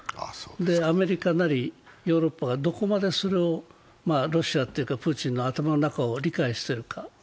アメリカなり、ヨーロッパがどこまでプーチンの頭の中を理解しているか。